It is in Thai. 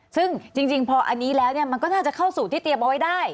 ซึ่งจริงพออันนี้แล้วมันก็น่าจะเข้าสู่ที่เตรียมเอาไว้ได้